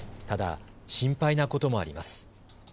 ただ心配なこともあります。